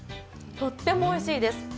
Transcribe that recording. とってもおいしいです。